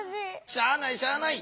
しゃあないしゃあない。